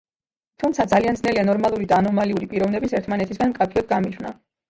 თუმცა, ძალიან ძნელია ნორმალური და ანომალიური პიროვნების ერთმანეთისგან მკაფიოდ გამიჯვნა.